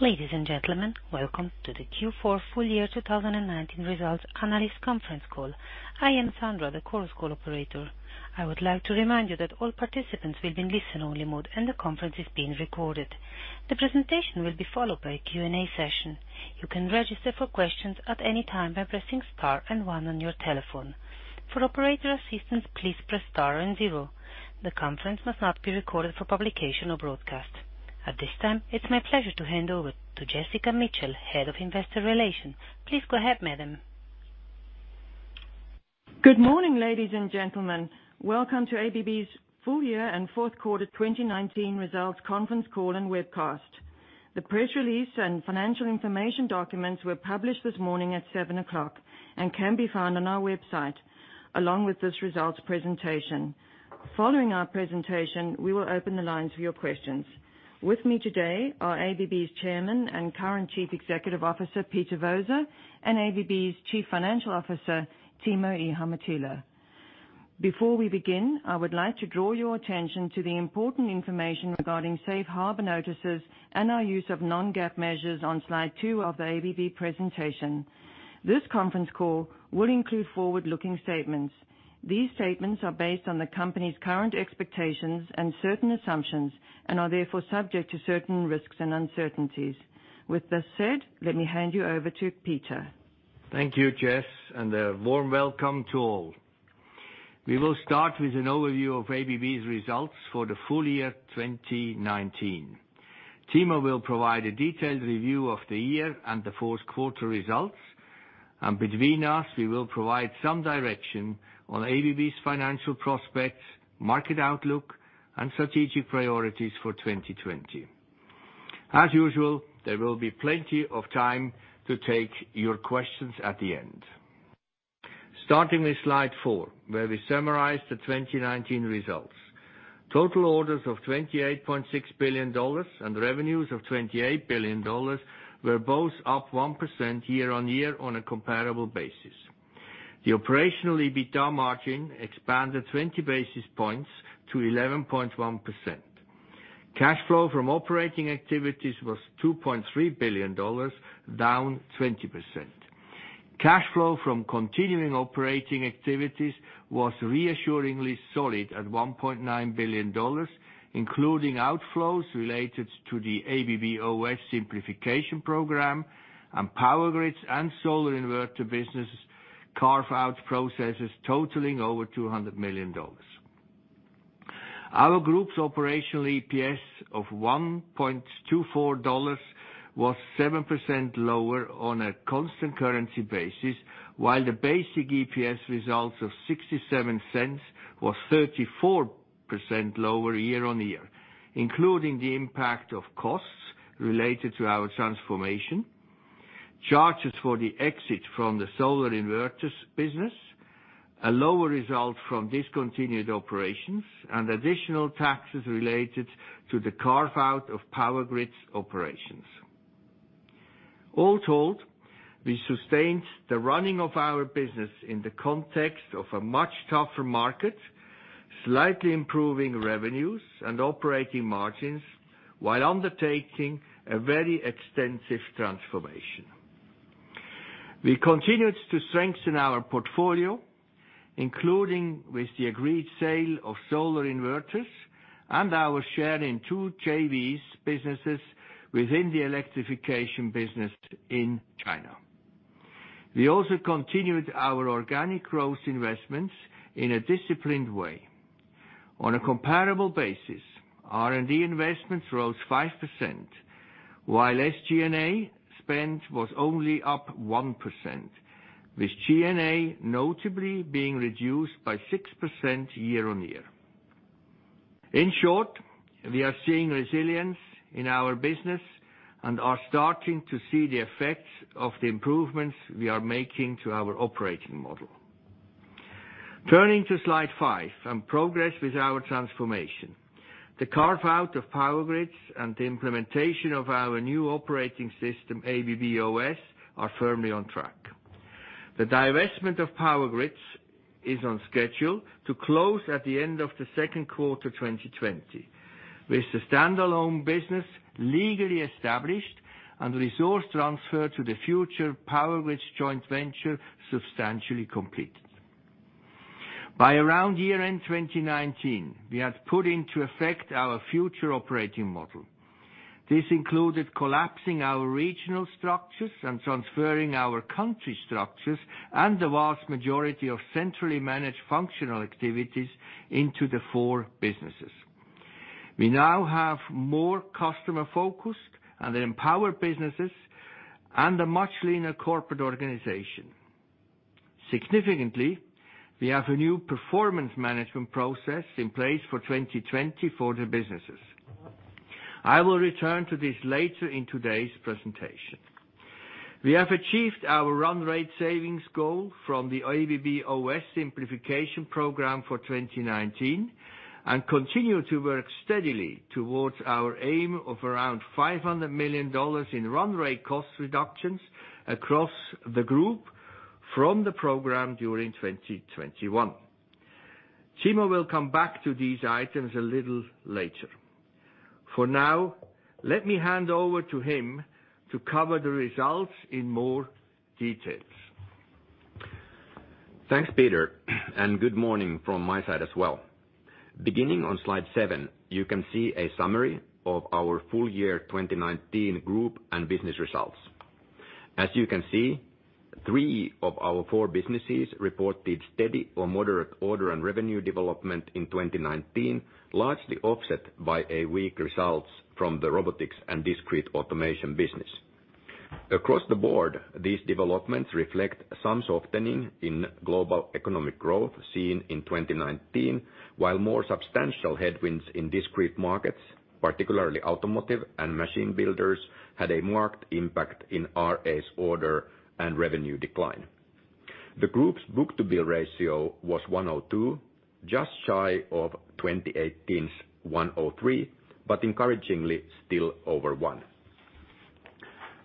Ladies and gentlemen, welcome to the Q4 full year 2019 results analyst conference call. I am Sandra, the Chorus Call operator. I would like to remind you that all participants will be in listen-only mode, and the conference is being recorded. The presentation will be followed by a Q&A session. You can register for questions at any time by pressing Star and One on your telephone. For operator assistance, please press star and zero. The conference must not be recorded for publication or broadcast. At this time, it's my pleasure to hand over to Jessica Mitchell, Head of Investor Relations. Please go ahead, madam. Good morning, ladies and gentlemen. Welcome to ABB's full year and fourth quarter 2019 results conference call and webcast. The press release and financial information documents were published this morning at seven o'clock and can be found on our website along with this results presentation. Following our presentation, we will open the lines for your questions. With me today are ABB's Chairman and current Chief Executive Officer, Peter Voser, and ABB's Chief Financial Officer, Timo Ihamuotila. Before we begin, I would like to draw your attention to the important information regarding safe harbor notices and our use of non-GAAP measures on slide two of the ABB presentation. This conference call will include forward-looking statements. These statements are based on the company's current expectations and certain assumptions, and are therefore subject to certain risks and uncertainties. With this said, let me hand you over to Peter. Thank you, Jess, and a warm welcome to all. We will start with an overview of ABB's results for the full year 2019. Timo will provide a detailed review of the year and the fourth quarter results, and between us, we will provide some direction on ABB's financial prospects, market outlook, and strategic priorities for 2020. As usual, there will be plenty of time to take your questions at the end. Starting with slide four, where we summarize the 2019 results. Total orders of $28.6 billion and revenues of $28 billion were both up 1% year-on-year on a comparable basis. The Operational EBITA margin expanded 20 basis points to 11.1%. Cash flow from operating activities was $2.3 billion, down 20%. Cash flow from continuing operating activities was reassuringly solid at $1.9 billion, including outflows related to the ABB OS simplification program and Power Grids and solar inverters businesses carve-out processes totaling over $200 million. Our group's Operational EPS of $1.24 was 7% lower on a constant currency basis, while the basic EPS results of $0.67 was 34% lower year-on-year, including the impact of costs related to our transformation, charges for the exit from the solar inverters business, a lower result from discontinued operations, and additional taxes related to the carve-out of Power Grids operations. All told, we sustained the running of our business in the context of a much tougher market, slightly improving revenues and operating margins while undertaking a very extensive transformation. We continued to strengthen our portfolio, including with the agreed sale of solar inverters and our share in two JVs businesses within the Electrification business in China. We also continued our organic growth investments in a disciplined way. On a comparable basis, R&D investments rose 5%, while SG&A spend was only up 1%, with G&A notably being reduced by 6% year-on-year. In short, we are seeing resilience in our business and are starting to see the effects of the improvements we are making to our operating model. Turning to slide five, on progress with our transformation. The carve-out of Power Grids and the implementation of our new operating system, ABB OS, are firmly on track. The divestment of Power Grids is on schedule to close at the end of the second quarter 2020, with the standalone business legally established and resource transfer to the future Power Grids joint venture substantially completed. By around year-end 2019, we had put into effect our future operating model. This included collapsing our regional structures and transferring our country structures and the vast majority of centrally managed functional activities into the four businesses. We now have more customer-focused and empowered businesses and a much leaner corporate organization. Significantly, we have a new performance management process in place for 2020 for the businesses. I will return to this later in today's presentation. We have achieved our run rate savings goal from the ABB OS simplification program for 2019 and continue to work steadily towards our aim of around $500 million in run rate cost reductions across the group from the program during 2021. Timo will come back to these items a little later. For now, let me hand over to him to cover the results in more details. Thanks, Peter, and good morning from my side as well. Beginning on slide seven, you can see a summary of our full year 2019 group and business results. As you can see, three of our four businesses reported steady or moderate order and revenue development in 2019, largely offset by weak results from the Robotics & Discrete Automation business. Across the board, these developments reflect some softening in global economic growth seen in 2019, while more substantial headwinds in discrete markets, particularly automotive and machine builders, had a marked impact in RA's order and revenue decline. The group's book-to-bill ratio was 102, just shy of 2018's 103. Encouragingly, still over one.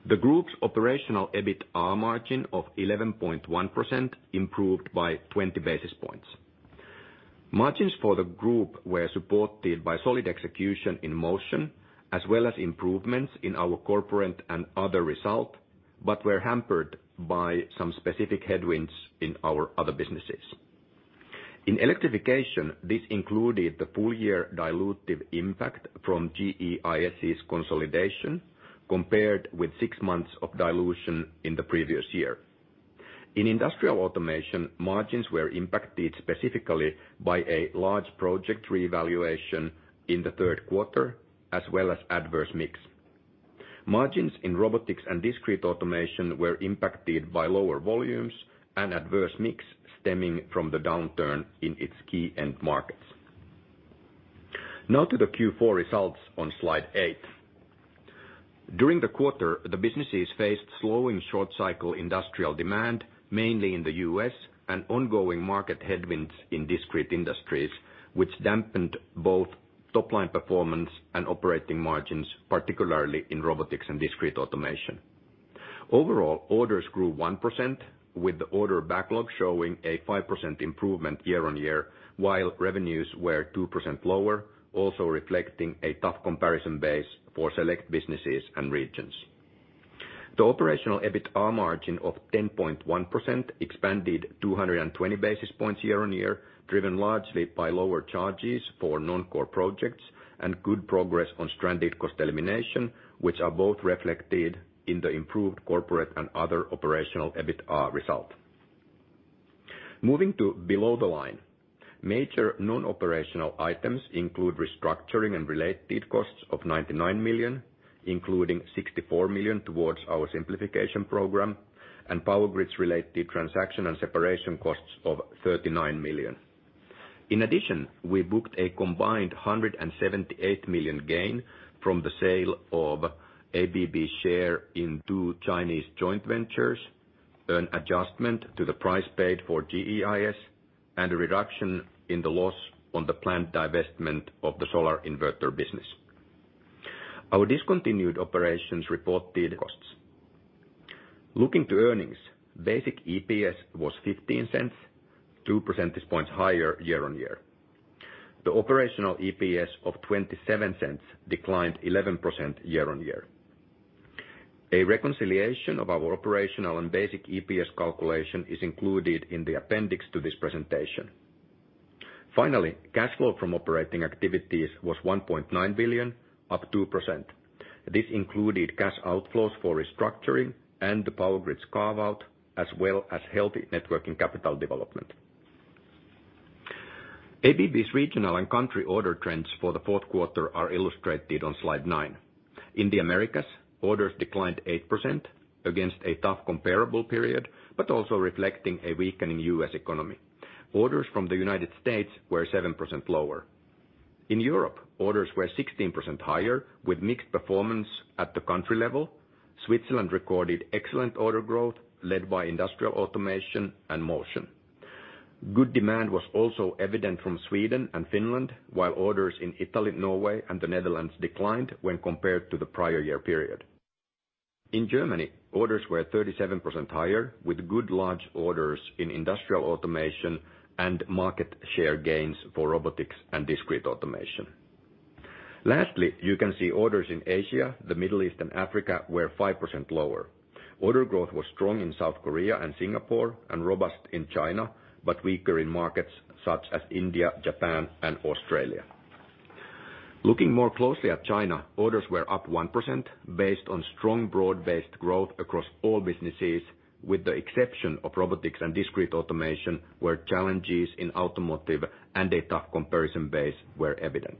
The group's operational EBITA margin of 11.1% improved by 20 basis points. Margins for the group were supported by solid execution in motion, as well as improvements in our corporate and other result, but were hampered by some specific headwinds in our other businesses. In electrification, this included the full year dilutive impact from GEIS's consolidation, compared with six months of dilution in the previous year. In Industrial Automation, margins were impacted specifically by a large project reevaluation in the third quarter, as well as adverse mix. Margins in Robotics & Discrete Automation were impacted by lower volumes and adverse mix stemming from the downturn in its key end markets. Now to the Q4 results on slide eight. During the quarter, the businesses faced slowing short-cycle industrial demand, mainly in the U.S. and ongoing market headwinds in discrete industries, which dampened both top-line performance and operating margins, particularly in Robotics & Discrete Automation. Overall, orders grew 1%, with the order backlog showing a 5% improvement year-over-year, while revenues were 2% lower, also reflecting a tough comparison base for select businesses and regions. The operational EBITA margin of 10.1% expanded 220 basis points year-over-year, driven largely by lower charges for non-core projects and good progress on stranded cost elimination, which are both reflected in the improved corporate and other operational EBITA result. Moving to below the line. Major non-operational items include restructuring and related costs of $99 million, including $64 million towards our simplification program, and Power Grids related transaction and separation costs of $39 million. In addition, we booked a combined $178 million gain from the sale of ABB share in two Chinese joint ventures, an adjustment to the price paid for GEIS, and a reduction in the loss on the planned divestment of the solar inverter business. Our discontinued operations reported costs. Looking to earnings, basic EPS was $0.15, 2% this points higher year-over-year. The operational EPS of $0.27 declined 11% year-over-year. A reconciliation of our Operational and basic EPS calculation is included in the appendix to this presentation. Finally, cash flow from operating activities was $1.9 billion, up 2%. This included cash outflows for restructuring and the Power Grids carve-out, as well as healthy networking capital development. ABB's regional and country order trends for the fourth quarter are illustrated on slide nine. In the Americas, orders declined 8% against a tough comparable period, but also reflecting a weakening U.S. economy. Orders from the U.S. were 7% lower. In Europe, orders were 16% higher, with mixed performance at the country level. Switzerland recorded excellent order growth led by Industrial Automation and Motion. Good demand was also evident from Sweden and Finland, while orders in Italy, Norway, and the Netherlands declined when compared to the prior year period. In Germany, orders were 37% higher, with good large orders in Industrial Automation and market share gains for Robotics & Discrete Automation. Lastly, you can see orders in Asia, the Middle East, and Africa were 5% lower. Order growth was strong in South Korea and Singapore and robust in China, but weaker in markets such as India, Japan, and Australia. Looking more closely at China, orders were up 1% based on strong, broad-based growth across all businesses, with the exception of Robotics & Discrete Automation, where challenges in automotive and a tough comparison base were evident.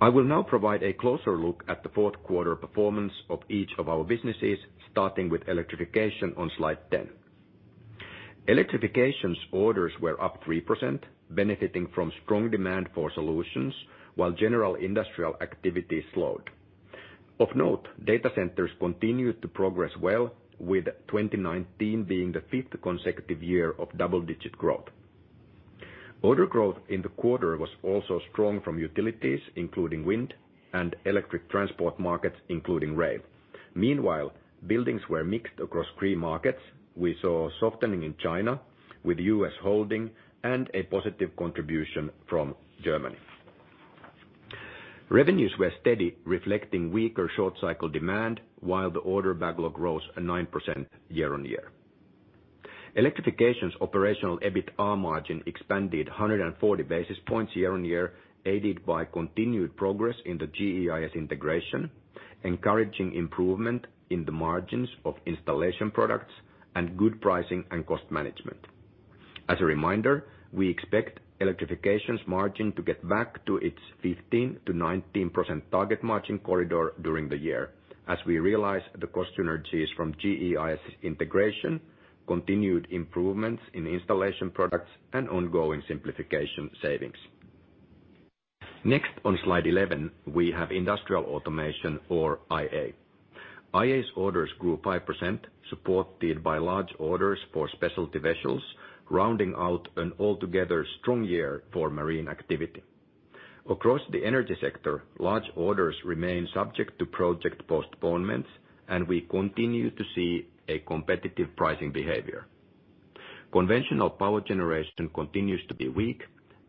I will now provide a closer look at the fourth quarter performance of each of our businesses, starting with electrification on slide 10. Electrification's orders were up 3%, benefiting from strong demand for solutions while general industrial activity slowed. Of note, data centers continued to progress well, with 2019 being the fifth consecutive year of double-digit growth. Order growth in the quarter was also strong from utilities, including wind and electric transport markets, including rail. Buildings were mixed across key markets. We saw softening in China with U.S. holding and a positive contribution from Germany. Revenues were steady, reflecting weaker short cycle demand, while the order backlog rose 9% year-on-year. Electrification's operational EBITA margin expanded 140 basis points year-on-year, aided by continued progress in the GEIS integration, encouraging improvement in the margins of Installation Products, and good pricing and cost management. As a reminder, we expect electrification's margin to get back to its 15%-19% target margin corridor during the year as we realize the cost synergies from GEIS integration, continued improvements in installation products, and ongoing simplification savings. On slide 11, we have industrial automation or IA. IA's orders grew 5%, supported by large orders for specialty vessels, rounding out an altogether strong year for marine activity. Across the energy sector, large orders remain subject to project postponements, we continue to see a competitive pricing behavior. Conventional power generation continues to be weak.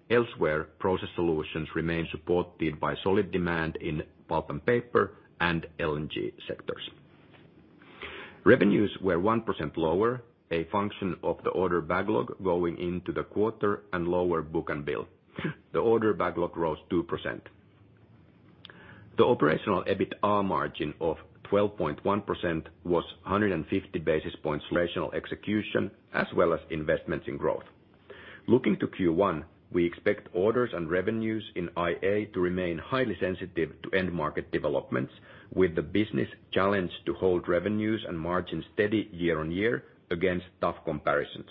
Elsewhere, process solutions remain supported by solid demand in pulp and paper and LNG sectors. Revenues were 1% lower, a function of the order backlog going into the quarter and lower book-to-bill. The order backlog rose 2%. The Operational EBITA margin of 12.1% was 150 basis points rational execution, as well as investments in growth. Looking to Q1, we expect orders and revenues in IA to remain highly sensitive to end market developments with the business challenged to hold revenues and margins steady year-on-year against tough comparisons.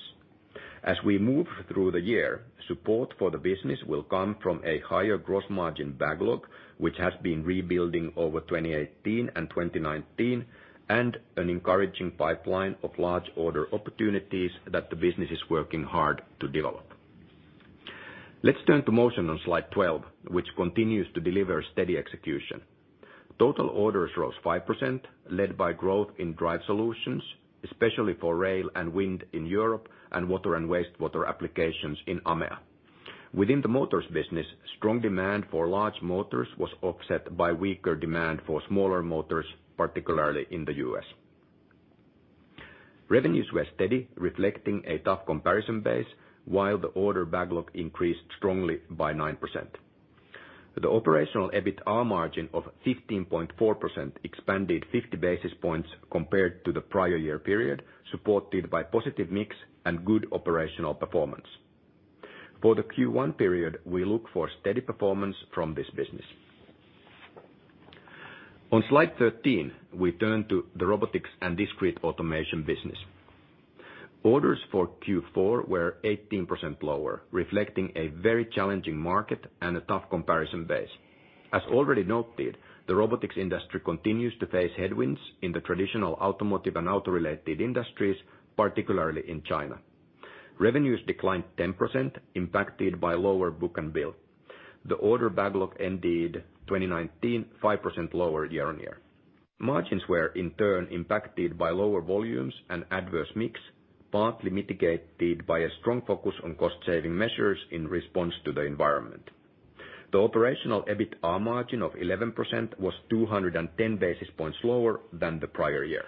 As we move through the year, support for the business will come from a higher gross margin backlog, which has been rebuilding over 2018 and 2019, and an encouraging pipeline of large order opportunities that the business is working hard to develop. Let's turn to Motion on slide 12, which continues to deliver steady execution. Total orders rose 5%, led by growth in drive solutions, especially for rail and wind in Europe and water and wastewater applications in AMEA. Within the motors business, strong demand for large motors was offset by weaker demand for smaller motors, particularly in the U.S. Revenues were steady, reflecting a tough comparison base, while the order backlog increased strongly by 9%. The operational EBITA margin of 15.4% expanded 50 basis points compared to the prior year period, supported by positive mix and good operational performance. For the Q1 period, we look for steady performance from this business. On slide 13, we turn to the Robotics & Discrete Automation business. Orders for Q4 were 18% lower, reflecting a very challenging market and a tough comparison base. As already noted, the robotics industry continues to face headwinds in the traditional automotive and auto-related industries, particularly in China. Revenues declined 10%, impacted by lower book-to-bill. The order backlog ended 2019 5% lower year on year. Margins were in turn impacted by lower volumes and adverse mix, partly mitigated by a strong focus on cost-saving measures in response to the environment. The Operational EBITA margin of 11% was 210 basis points lower than the prior year.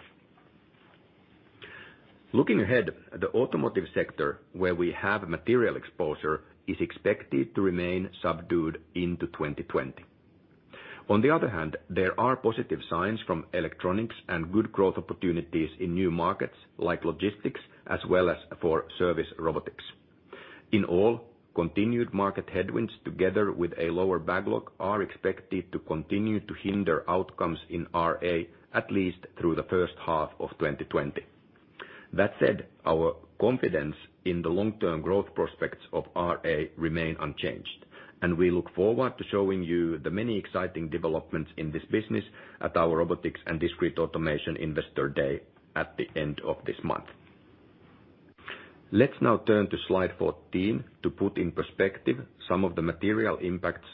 Looking ahead, the automotive sector, where we have material exposure, is expected to remain subdued into 2020. On the other hand, there are positive signs from electronics and good growth opportunities in new markets like logistics as well as for service robotics. In all, continued market headwinds together with a lower backlog are expected to continue to hinder outcomes in RA at least through the first half of 2020. That said, our confidence in the long-term growth prospects of RA remain unchanged, and we look forward to showing you the many exciting developments in this business at our Robotics and Discrete Automation Investor Day at the end of this month. Let's now turn to slide 14 to put in perspective some of the material impacts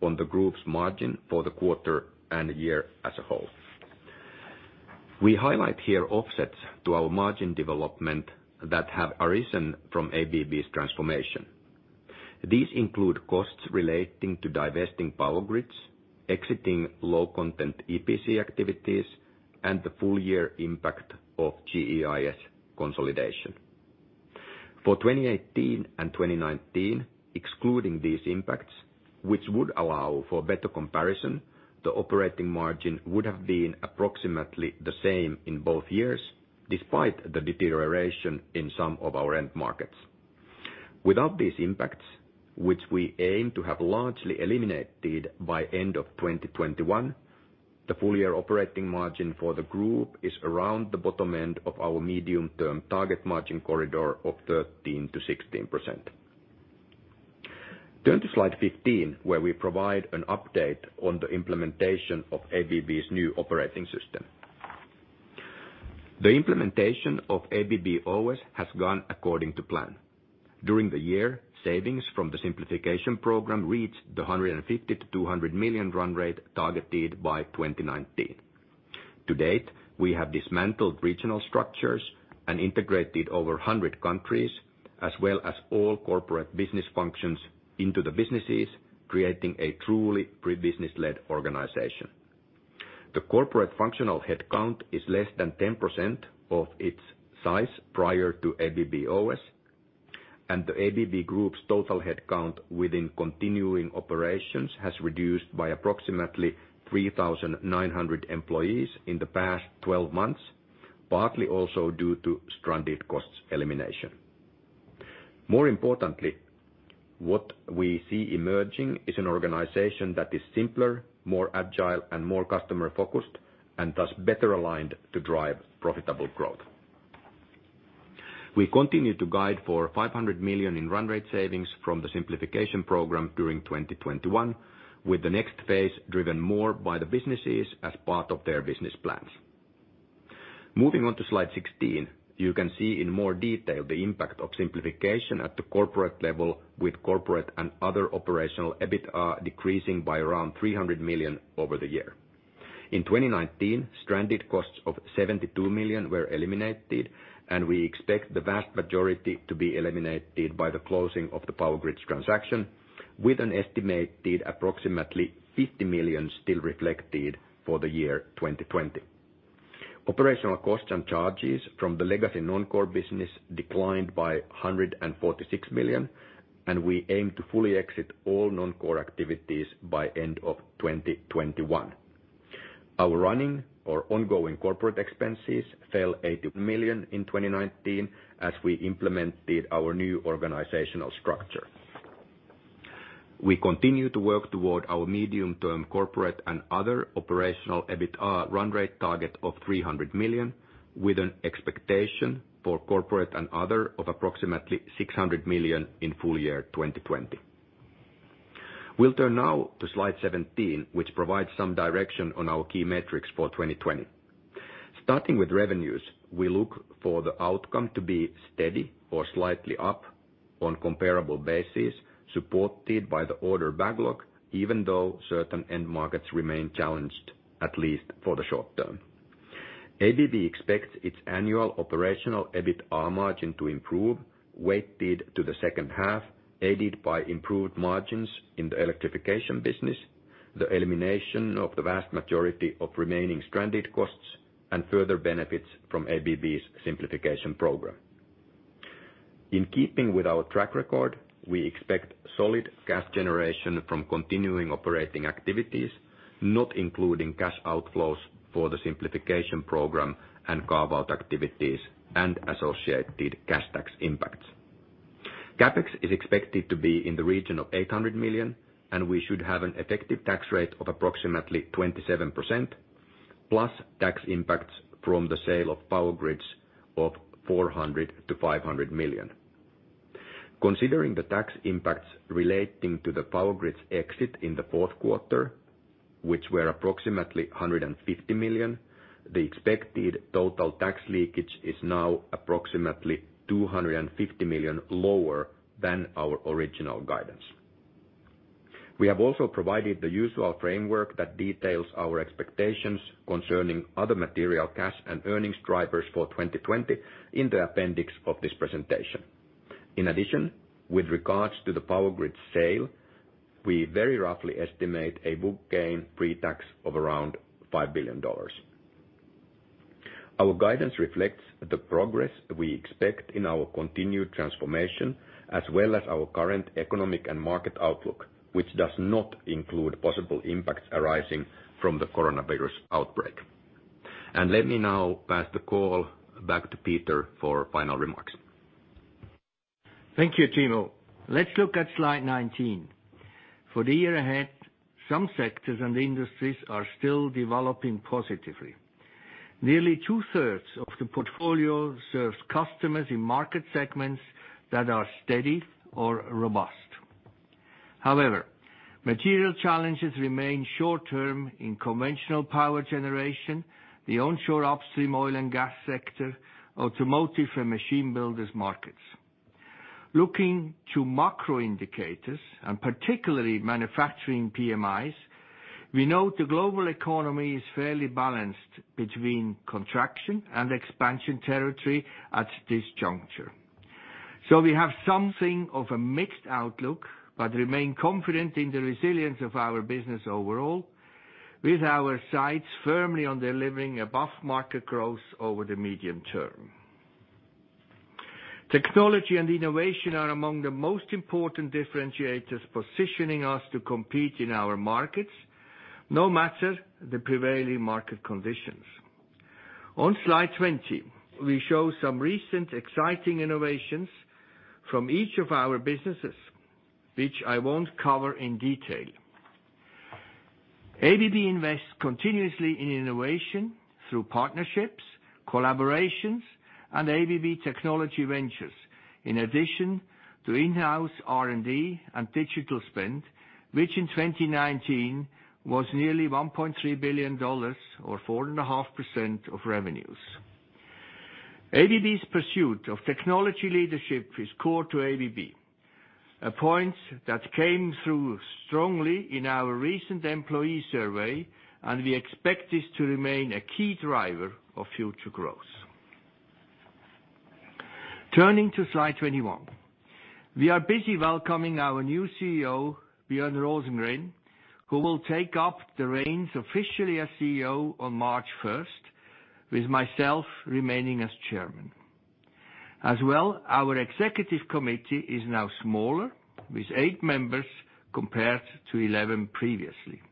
on the group's margin for the quarter and year as a whole. We highlight here offsets to our margin development that have arisen from ABB's transformation. These include costs relating to divesting Power Grids, exiting low content EPC activities, and the full year impact of GEIS consolidation. For 2018 and 2019, excluding these impacts, which would allow for better comparison, the operating margin would have been approximately the same in both years, despite the deterioration in some of our end markets. Without these impacts, which we aim to have largely eliminated by end of 2021, the full year operating margin for the group is around the bottom end of our medium-term target margin corridor of 13%-16%. Turn to slide 15, where we provide an update on the implementation of ABB's new operating system. The implementation of ABB OS has gone according to plan. During the year, savings from the simplification program reached the $150 million-$200 million run rate targeted by 2019. To date, we have dismantled regional structures and integrated over 100 countries, as well as all corporate business functions into the businesses, creating a truly three business led organization. The corporate functional headcount is less than 10% of its size prior to ABB OS, and the ABB Group's total headcount within continuing operations has reduced by approximately 3,900 employees in the past 12 months, partly also due to stranded costs elimination. More importantly, what we see emerging is an organization that is simpler, more agile, and more customer-focused, and thus better aligned to drive profitable growth. We continue to guide for $500 million in run rate savings from the simplification program during 2021, with the next phase driven more by the businesses as part of their business plans. Moving on to slide 16, you can see in more detail the impact of simplification at the corporate level with corporate and other operational EBITA decreasing by around $300 million over the year. In 2019, stranded costs of $72 million were eliminated, and we expect the vast majority to be eliminated by the closing of the Power Grids transaction, with an estimated approximately $50 million still reflected for the year 2020. Operational costs and charges from the legacy non-core business declined by $146 million, and we aim to fully exit all non-core activities by end of 2021. Our running or ongoing corporate expenses fell $80 million in 2019 as we implemented our new organizational structure. We continue to work toward our medium term corporate and other operational EBITA run rate target of $300 million, with an expectation for corporate and other of approximately $600 million in full year 2020. We'll turn now to slide 17, which provides some direction on our key metrics for 2020. Starting with revenues, we look for the outcome to be steady or slightly up on comparable basis, supported by the order backlog, even though certain end markets remain challenged, at least for the short term. ABB expects its annual operational EBITA margin to improve, weighted to the second half, aided by improved margins in the electrification business, the elimination of the vast majority of remaining stranded costs, and further benefits from ABB's simplification program. In keeping with our track record, we expect solid cash generation from continuing operating activities, not including cash outflows for the simplification program and carve-out activities and associated cash tax impacts. CapEx is expected to be in the region of $800 million, and we should have an effective tax rate of approximately 27%, plus tax impacts from the sale of Power Grids of $400 million-$500 million. Considering the tax impacts relating to the Power Grids exit in the fourth quarter, which were approximately $150 million, the expected total tax leakage is now approximately $250 million lower than our original guidance. We have also provided the usual framework that details our expectations concerning other material cash and earnings drivers for 2020 in the appendix of this presentation. In addition, with regards to the Power Grids sale, we very roughly estimate a book gain pre-tax of around $5 billion. Our guidance reflects the progress we expect in our continued transformation, as well as our current economic and market outlook, which does not include possible impacts arising from the coronavirus outbreak. Let me now pass the call back to Peter for final remarks. Thank you, Timo. Let's look at slide 19. For the year ahead, some sectors and industries are still developing positively. Nearly two-thirds of the portfolio serves customers in market segments that are steady or robust. However, material challenges remain short-term in conventional power generation, the onshore upstream oil and gas sector, automotive and machine builders markets. Looking to macro indicators, and particularly manufacturing PMIs, we know the global economy is fairly balanced between contraction and expansion territory at this juncture. We have something of a mixed outlook, but remain confident in the resilience of our business overall, with our sights firmly on delivering above market growth over the medium term. Technology and innovation are among the most important differentiators positioning us to compete in our markets, no matter the prevailing market conditions. On slide 20, we show some recent exciting innovations from each of our businesses, which I won't cover in detail. ABB invests continuously in innovation through partnerships, collaborations, ABB Technology Ventures. In addition to in-house R&D and digital spend, which in 2019 was nearly $1.3 billion or 4.5% of revenues. ABB's pursuit of technology leadership is core to ABB, a point that came through strongly in our recent employee survey, and we expect this to remain a key driver of future growth. Turning to slide 21. We are busy welcoming our new CEO, Björn Rosengren, who will take up the reins officially as CEO on March 1st, with myself remaining as Chairman. As well, our Executive Committee is now smaller, with eight members compared to 11 previously.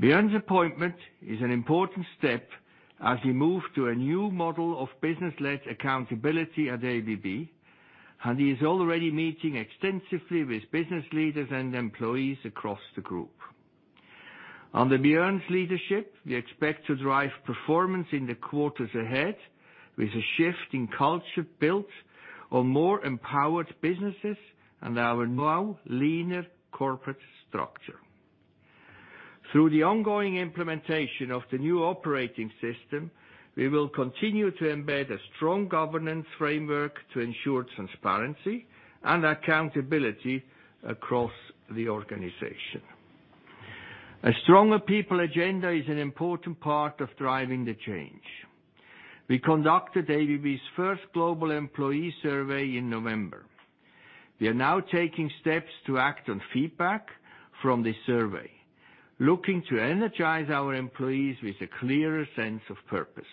Björn's appointment is an important step as we move to a new model of business-led accountability at ABB, and he is already meeting extensively with business leaders and employees across the group. Under Björn's leadership, we expect to drive performance in the quarters ahead, with a shift in culture built on more empowered businesses and our now leaner corporate structure. Through the ongoing implementation of the new operating system, we will continue to embed a strong governance framework to ensure transparency and accountability across the organization. A stronger people agenda is an important part of driving the change. We conducted ABB's first global employee survey in November. We are now taking steps to act on feedback from this survey, looking to energize our employees with a clearer sense of purpose.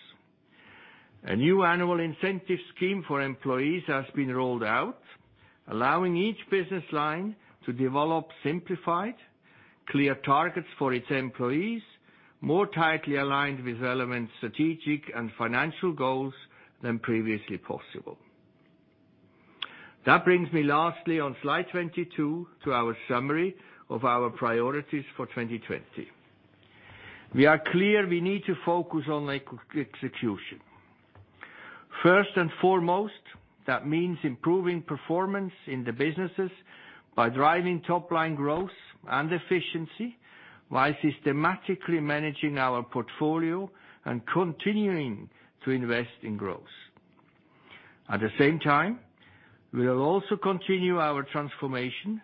A new annual incentive scheme for employees has been rolled out, allowing each business line to develop simplified, clear targets for its employees, more tightly aligned with relevant strategic and financial goals than previously possible. Brings me lastly, on slide 22, to our summary of our priorities for 2020. We are clear we need to focus on execution. First and foremost, that means improving performance in the businesses by driving top-line growth and efficiency, while systematically managing our portfolio and continuing to invest in growth. At the same time, we will also continue our transformation,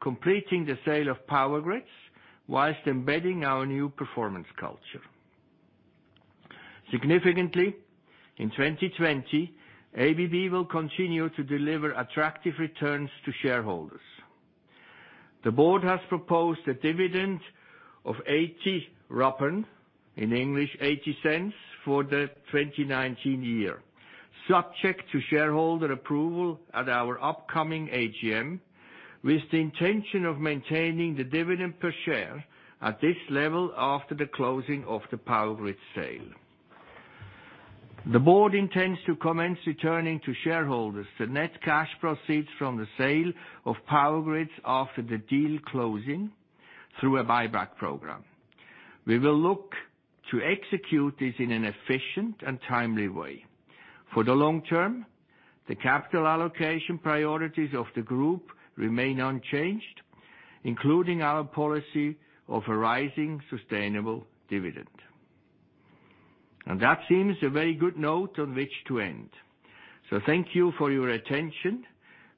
completing the sale of Power Grids while embedding our new performance culture. Significantly, in 2020, ABB will continue to deliver attractive returns to shareholders. The board has proposed a dividend of $0.80 for the 2019 year, subject to shareholder approval at our upcoming AGM, with the intention of maintaining the dividend per share at this level after the closing of the Power Grids sale. The board intends to commence returning to shareholders the net cash proceeds from the sale of Power Grids after the deal closing through a buyback program. We will look to execute this in an efficient and timely way. For the long term, the capital allocation priorities of the group remain unchanged, including our policy of a rising, sustainable dividend. That seems a very good note on which to end. Thank you for your attention.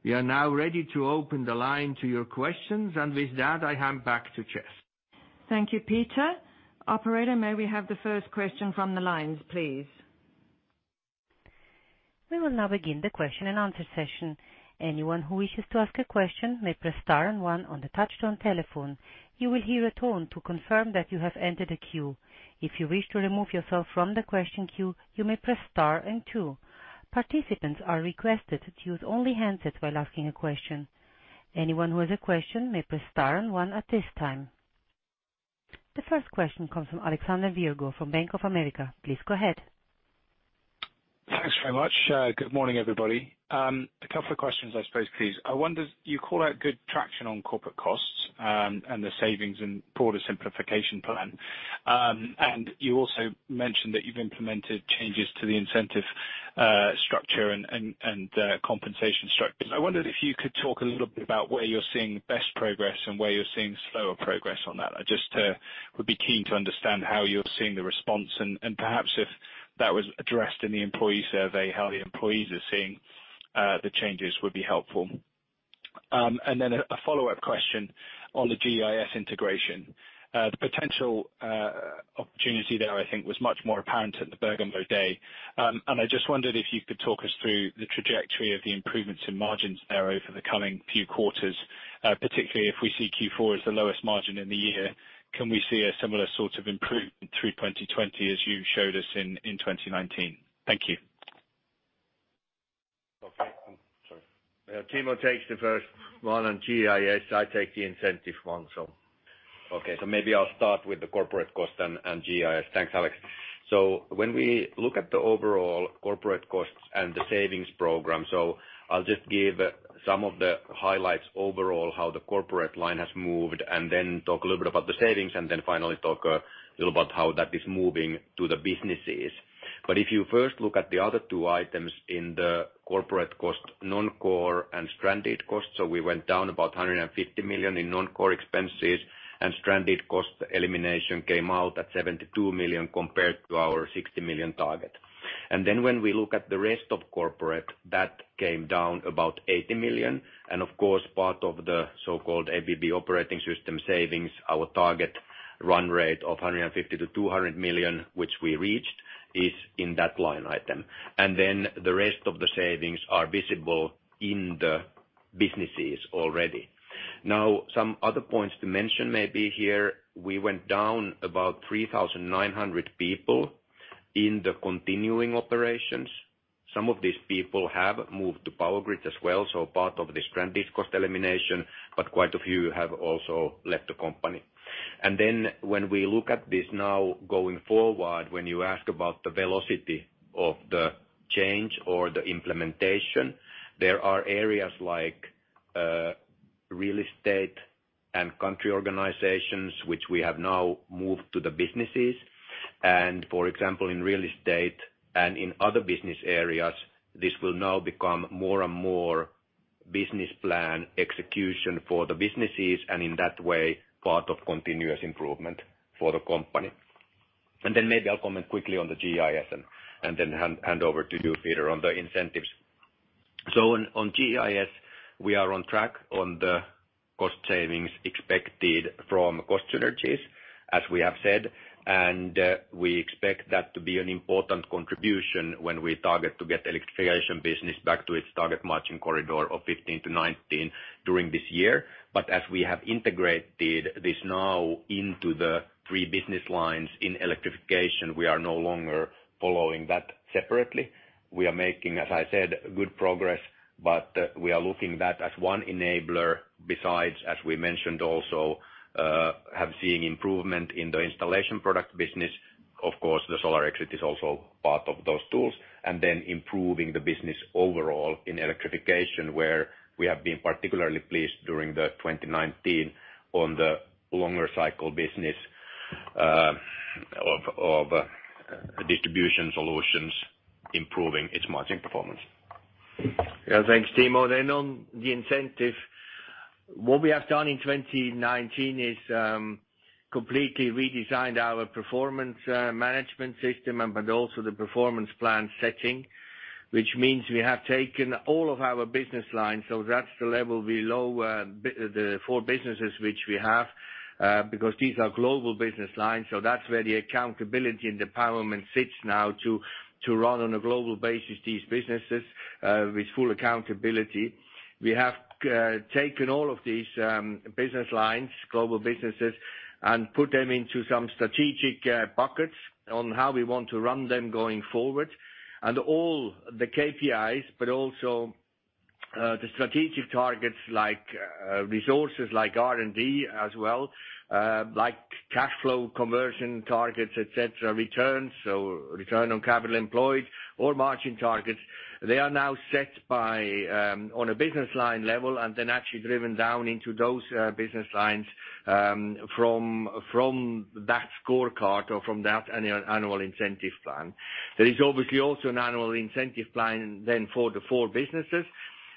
We are now ready to open the line to your questions. With that, I hand back to Jess. Thank you, Peter. Operator, may we have the first question from the lines, please? We will now begin the question and answer session. Anyone who wishes to ask a question may press star and one on the touch-tone telephone. You will hear a tone to confirm that you have entered a queue. If you wish to remove yourself from the question queue, you may press star and two. Participants are requested to use only handset while asking a question. Anyone who has a question may press star and one at this time. The first question comes from Alexander Virgo from Bank of America. Please go ahead. Thanks very much. Good morning, everybody. A couple of questions, I suppose, please. You call out good traction on corporate costs and the savings in broader simplification plan. You also mentioned that you've implemented changes to the incentive structure and compensation structures. I wondered if you could talk a little bit about where you're seeing best progress and where you're seeing slower progress on that. I just would be keen to understand how you're seeing the response and perhaps if that was addressed in the employee survey, how the employees are seeing the changes would be helpful. Then a follow-up question on the GEIS integration. The potential opportunity there, I think, was much more apparent at the New Berlin day. I just wondered if you could talk us through the trajectory of the improvements in margins there over the coming few quarters, particularly if we see Q4 as the lowest margin in the year, can we see a similar sort of improvement through 2020 as you showed us in 2019? Thank you. Okay. Sorry. Timo takes the first one on GEIS. I take the incentive one. Okay. Maybe I'll start with the corporate cost and GEIS. Thanks, Alex. When we look at the overall corporate costs and the savings program, I'll just give some of the highlights overall, how the corporate line has moved, and then talk a little bit about the savings, and then finally talk a little about how that is moving to the businesses. If you first look at the other two items in the corporate cost, non-core and stranded costs. We went down about $150 million in non-core expenses and stranded cost elimination came out at $72 million compared to our $60 million target. When we look at the rest of corporate, that came down about $80 million, and of course, part of the so-called ABB Operating System savings, our target run rate of $150 million-$200 million, which we reached, is in that line item. The rest of the savings are visible in the businesses already. Some other points to mention maybe here, we went down about 3,900 people in the continuing operations. Some of these people have moved to Power Grids as well, so part of the stranded cost elimination, but quite a few have also left the company. When we look at this now going forward, when you ask about the velocity of the change or the implementation, there are areas like real estate and country organizations which we have now moved to the businesses. For example, in real estate and in other business areas, this will now become more and more business plan execution for the businesses, and in that way, part of continuous improvement for the company. Then maybe I'll comment quickly on the GEIS and then hand over to you, Peter, on the incentives. On GEIS, we are on track on the cost savings expected from cost synergies, as we have said, and we expect that to be an important contribution when we target to get Electrification business back to its target margin corridor of 15%-19% during this year. As we have integrated this now into the three business lines in electrification, we are no longer following that separately. We are making, as I said, good progress, but we are looking that as one enabler besides, as we mentioned, also have seen improvement in the installation products business. Of course, the solar exit is also part of those tools. Improving the business overall in electrification, where we have been particularly pleased during the 2019 on the longer cycle business of Distribution Solutions improving its margin performance. Thanks, Timo. On the incentive, what we have done in 2019 is completely redesigned our performance management system but also the performance plan setting, which means we have taken all of our business lines. So that's the level below the four businesses which we have, because these are global business lines, so that's where the accountability and the empowerment sits now to run on a global basis these businesses, with full accountability. We have taken all of these business lines, global businesses, and put them into some strategic buckets on how we want to run them going forward. All the KPIs, but also the strategic targets like resources, like R&D as well, like cash flow conversion targets, et cetera, returns. Return on capital employed or margin targets, they are now set on a business line level and then actually driven down into those business lines from that scorecard or from that annual incentive plan. There is obviously also an annual incentive plan for the four businesses.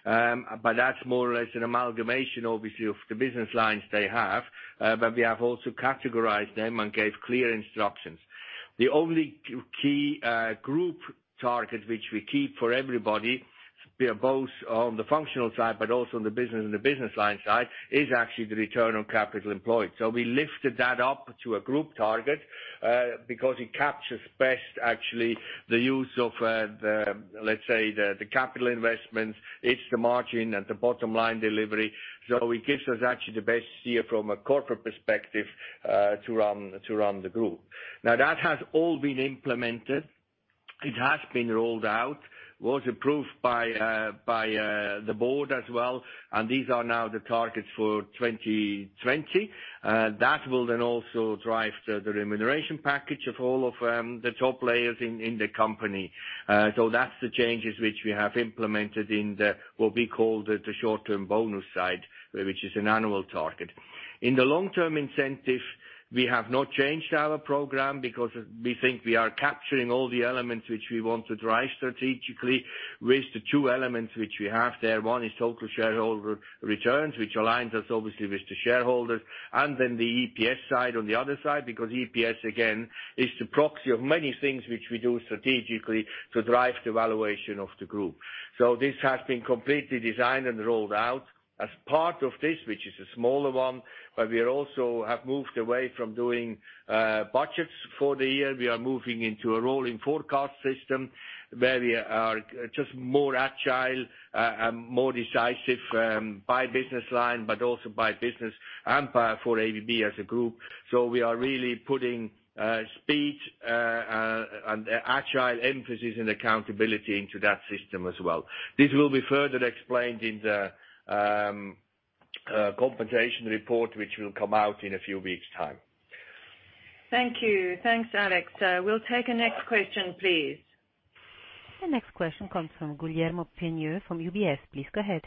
That's more or less an amalgamation, obviously, of the business lines they have. We have also categorized them and gave clear instructions. The only key group target which we keep for everybody, both on the functional side but also on the business and the business line side, is actually the return on capital employed. We lifted that up to a group target, because it captures best actually the use of the, let's say, the capital investments. It's the margin and the bottom line delivery. It gives us actually the best view from a corporate perspective to run the group. That has all been implemented. It has been rolled out, was approved by the board as well, and these are now the targets for 2020. That will then also drive the remuneration package of all of the top players in the company. That's the changes which we have implemented in the, what we call the short-term bonus side, which is an annual target. In the long-term incentive, we have not changed our program because we think we are capturing all the elements which we want to drive strategically with the two elements which we have there. One is total shareholder return, which aligns us obviously with the shareholders, the EPS side on the other side, because EPS again, is the proxy of many things which we do strategically to drive the valuation of the group. This has been completely designed and rolled out as part of this, which is a smaller one. We also have moved away from doing budgets for the year. We are moving into a rolling forecast system where we are just more agile and more decisive by business line, but also by business and for ABB as a group. We are really putting speed and agile emphasis and accountability into that system as well. This will be further explained in the compensation report, which will come out in a few weeks' time. Thank you. Thanks, Alex. We'll take a next question, please. The next question comes from Guillermo Peigneux from UBS. Please go ahead.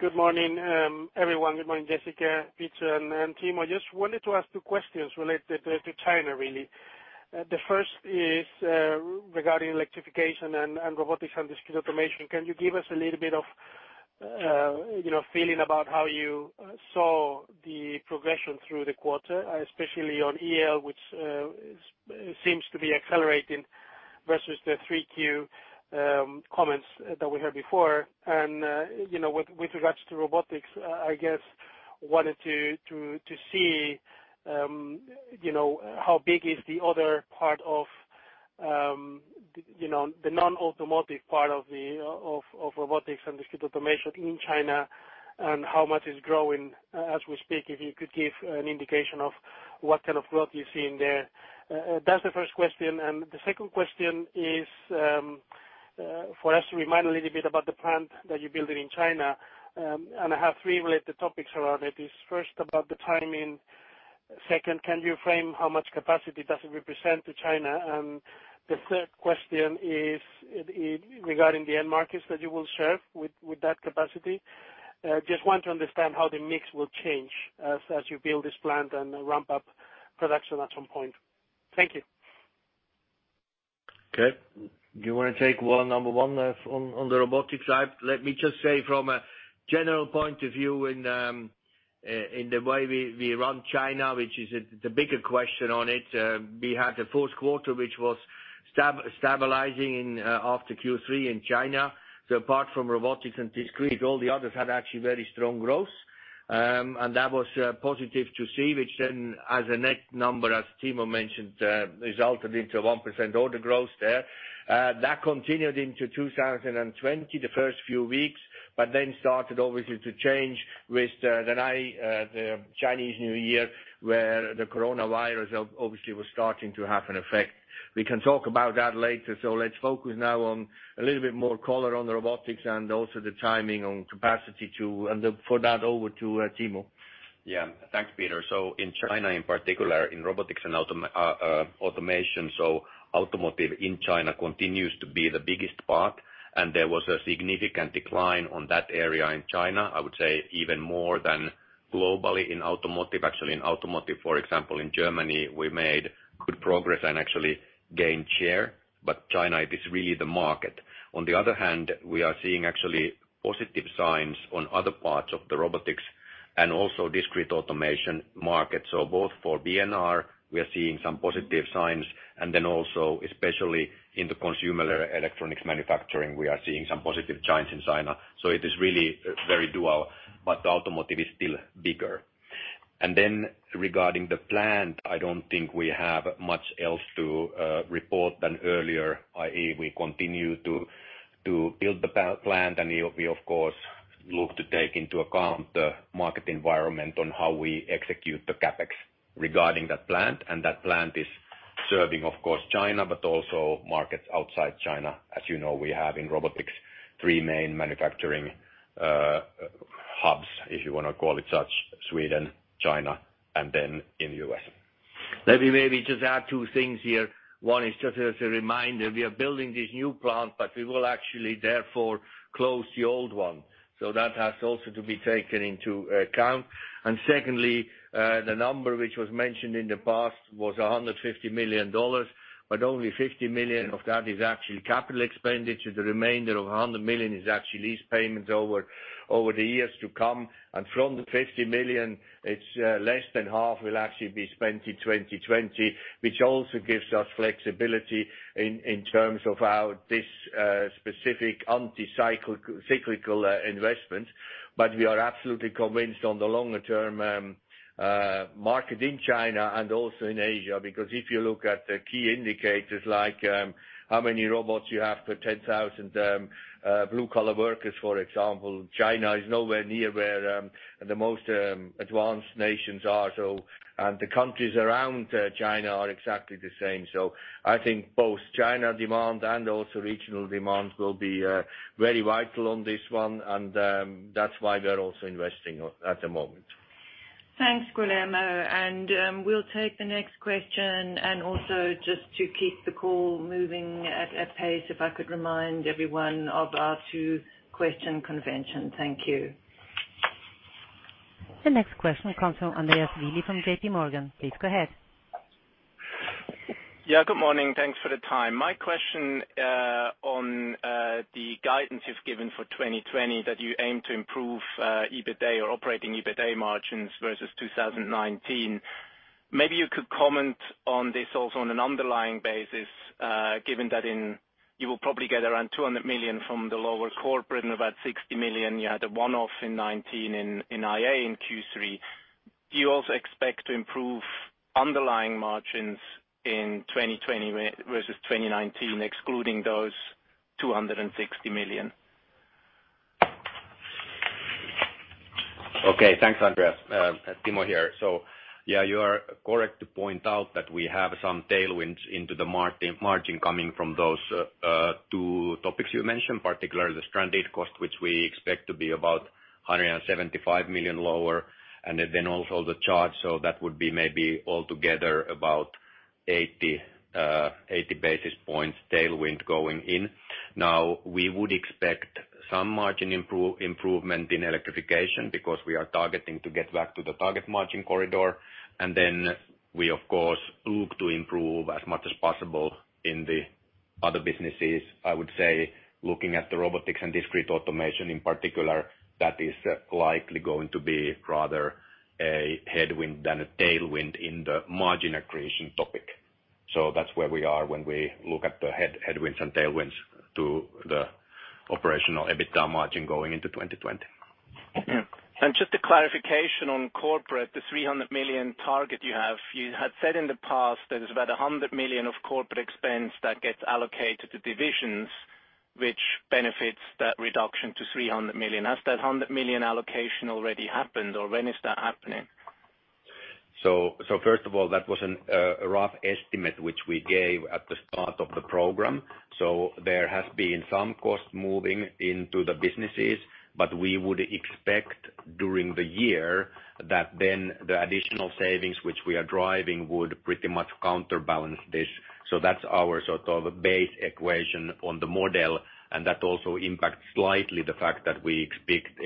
Good morning, everyone. Good morning, Jessica Mitchell, Peter Voser, and Timo Ihamuotila. I just wanted to ask two questions related to China, really. The first is regarding electrification and Robotics & Discrete Automation. Can you give us a little bit of a feeling about how you saw the progression through the quarter, especially on EL, which seems to be accelerating versus the 3Q comments that we heard before? With regards to robotics, I wanted to see how big is the other part of the non-automotive part of Robotics & Discrete Automation in China, and how much it's growing as we speak. If you could give an indication of what kind of growth you're seeing there. That's the first question. The second question is for us to remind a little bit about the plant that you're building in China, and I have three related topics around it. First, about the timing. Second, can you frame how much capacity does it represent to China? The third question is regarding the end markets that you will serve with that capacity. Just want to understand how the mix will change as you build this plant and ramp up production at some point. Thank you. Okay. Do you want to take number one on the Robotics side? Let me just say from a general point of view in the way we run China, which is the bigger question on it. We had the fourth quarter, which was stabilizing after Q3 in China. Apart from Robotics and Discrete, all the others had actually very strong growth. That was positive to see, which then as a net number, as Timo mentioned, resulted into 1% order growth there. That continued into 2020, the first few weeks, but then started obviously to change with the Chinese New Year, where the coronavirus obviously was starting to have an effect. We can talk about that later. Let's focus now on a little bit more color on the Robotics and also the timing on capacity too, and for that over to Timo. Yeah. Thanks, Peter. In China in particular, in robotics and automation, so automotive in China continues to be the biggest part, and there was a significant decline on that area in China, I would say even more than globally in automotive. Actually in automotive, for example, in Germany, we made good progress and actually gained share, but China is really the market. On the other hand, we are seeing actually positive signs on other parts of the robotics and also discrete automation market. Both for B&R, we are seeing some positive signs, and then also especially in the consumer electronics manufacturing, we are seeing some positive signs in China. It is really very dual, but the automotive is still bigger. Regarding the plant, I don't think we have much else to report than earlier, i.e., we continue to build the plant, and we of course, look to take into account the market environment on how we execute the CapEx regarding that plant. That plant is serving, of course, China, but also markets outside China. As you know, we have in robotics three main manufacturing hubs, if you want to call it such, Sweden, China, and then in the U.S. Let me maybe just add two things here. One is just as a reminder, we are building this new plant, but we will actually therefore close the old one. That has also to be taken into account. Secondly, the number, which was mentioned in the past was $150 million, but only $50 million of that is actually capital expenditure. The remainder of $100 million is actually lease payments over the years to come. From the $50 million, it's less than half will actually be spent in 2020, which also gives us flexibility in terms of this specific anti-cyclical investment. We are absolutely convinced on the longer-term market in China and also in Asia, because if you look at the key indicators, like how many robots you have per 10,000 blue-collar workers, for example, China is nowhere near where the most advanced nations are. The countries around China are exactly the same. I think both China demand and also regional demand will be very vital on this one, and that's why we are also investing at the moment. Thanks, Guillermo. We'll take the next question, and also just to keep the call moving at pace, if I could remind everyone of our two-question convention. Thank you. The next question comes from Andreas Willi from JPMorgan. Please go ahead. Good morning. Thanks for the time. My question on the guidance you've given for 2020 that you aim to improve EBITDA or operational EBITDA margins versus 2019. Maybe you could comment on this also on an underlying basis, given that you will probably get around $200 million from the lower corporate and about $60 million, you had a one-off in 2019 in IA in Q3. Do you also expect to improve underlying margins in 2020 versus 2019, excluding those $260 million? Okay. Thanks, Andreas. Timo here. Yeah, you are correct to point out that we have some tailwinds into the margin coming from those two topics you mentioned, particularly the stranded cost, which we expect to be about $175 million lower, and then also the charge. That would be maybe altogether about 80 basis points tailwind going in. Now, we would expect some margin improvement in electrification because we are targeting to get back to the target margin corridor. We, of course, look to improve as much as possible in the other businesses. I would say, looking at the Robotics & Discrete Automation in particular, that is likely going to be rather a headwind than a tailwind in the margin accretion topic. That's where we are when we look at the headwinds and tailwinds to the operational EBITA margin going into 2020. Just a clarification on corporate, the $300 million target you have. You had said in the past that it's about $100 million of corporate expense that gets allocated to divisions, which benefits that reduction to $300 million. Has that $100 million allocation already happened, or when is that happening? First of all, that was a rough estimate which we gave at the start of the program. There has been some cost moving into the businesses, but we would expect during the year that then the additional savings which we are driving would pretty much counterbalance this. That's our sort of base equation on the model, and that also impacts slightly the fact that we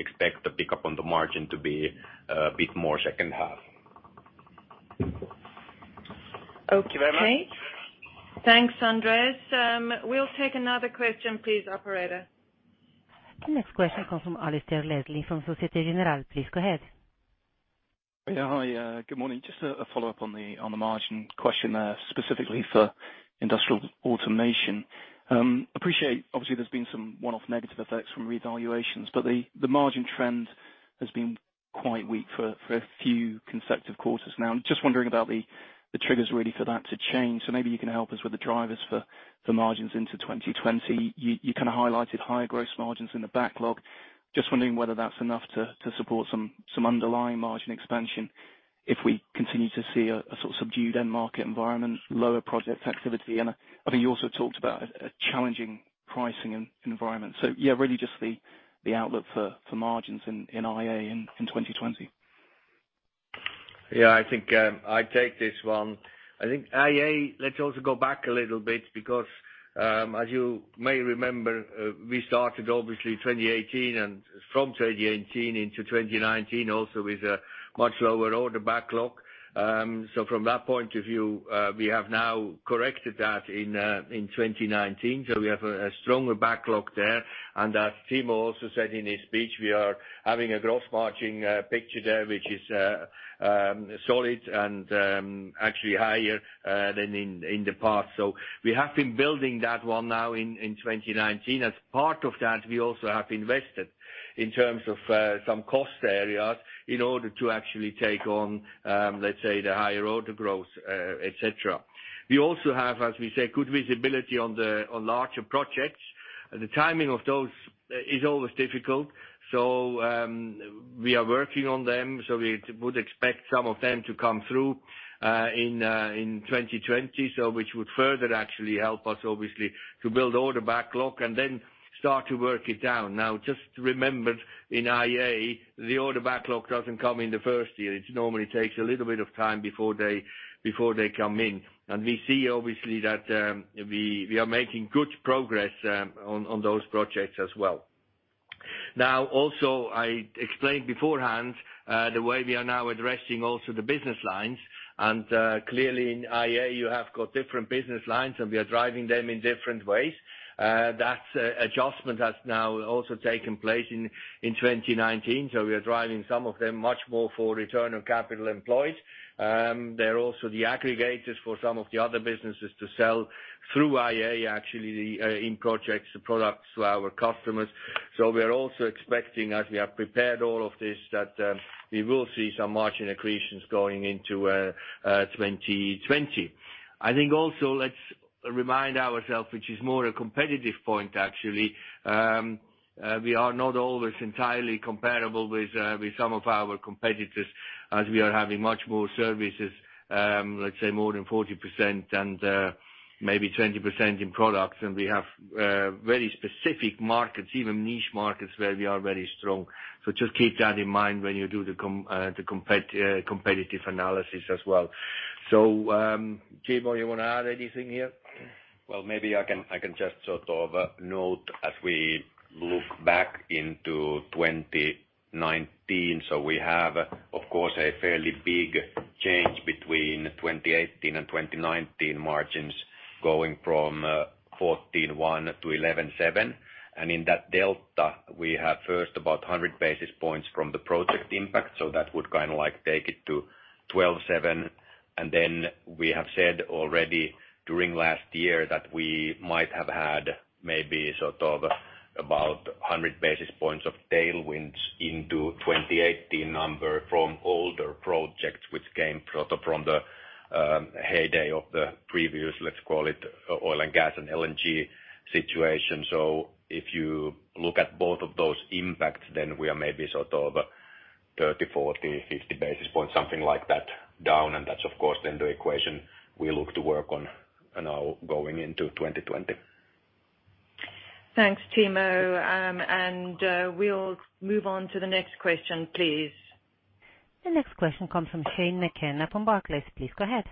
expect the pickup on the margin to be a bit more second half. Thank you very much. Okay. Thanks, Andreas. We'll take another question, please, operator. The next question comes from Alasdair Leslie from Societe Generale. Please go ahead. Hi. Good morning. Just a follow-up on the margin question there, specifically for industrial automation. Appreciate, obviously, there's been some one-off negative effects from revaluations. The margin trend has been quite weak for a few consecutive quarters now. I'm just wondering about the triggers, really, for that to change. Maybe you can help us with the drivers for margins into 2020. You kind of highlighted higher gross margins in the backlog. Just wondering whether that's enough to support some underlying margin expansion if we continue to see a sort of subdued end market environment, lower project activity, and I think you also talked about a challenging pricing environment. Really just the outlook for margins in IA in 2020. Yeah, I think I take this one. I think IA, let's also go back a little bit because, as you may remember, we started obviously 2018 and from 2018 into 2019 also with a much lower order backlog. From that point of view, we have now corrected that in 2019, so we have a stronger backlog there. As Timo also said in his speech, we are having a gross margin picture there which is solid and actually higher than in the past. We have been building that one now in 2019. As part of that, we also have invested in terms of some cost areas in order to actually take on, let's say, the higher order growth, et cetera. We also have, as we say, good visibility on larger projects. The timing of those is always difficult. We are working on them. We would expect some of them to come through in 2020, which would further actually help us, obviously, to build order backlog and then start to work it down. Just remember, in IA, the order backlog doesn't come in the first year. It normally takes a little bit of time before they come in. We see, obviously, that we are making good progress on those projects as well. Also, I explained beforehand the way we are now addressing also the business lines. Clearly in IA, you have got different business lines, and we are driving them in different ways. That adjustment has now also taken place in 2019. We are driving some of them much more for Return on Capital Employed. They're also the aggregators for some of the other businesses to sell through IA, actually, in projects, the products to our customers. We are also expecting, as we have prepared all of this, that we will see some margin accretions going into 2020. I think also let's remind ourselves, which is more a competitive point, actually. We are not always entirely comparable with some of our competitors as we are having much more services, let's say, more than 40% and maybe 20% in products. We have very specific markets, even niche markets, where we are very strong. Just keep that in mind when you do the competitive analysis as well. Timo, you want to add anything here? Well, maybe I can just sort of note as we look back into 2019. We have, of course, a fairly big change between 2018 and 2019 margins going from 14.1 to 11.7. In that delta, we have first about 100 basis points from the project impact, so that would kind of take it to 12.7. Then we have said already during last year that we might have had maybe sort of about 100 basis points of tailwinds into 2018 number from older projects which came from the heyday of the previous, let's call it, oil and gas and LNG situation. If you look at both of those impacts, then we are maybe sort of 30, 40, 50 basis points, something like that down, and that's of course then the equation we look to work on now going into 2020. Thanks, Timo. We'll move on to the next question, please. The next question comes from Shane McKenna from Barclays. Please go ahead.